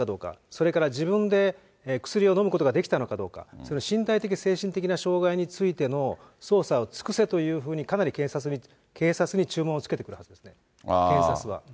それから自分で薬を飲むことができたのかどうか、それから身体的、精神的な障害についての捜査を尽くせというふうに、かなり警察に注文をつけてくるはずです、検察は。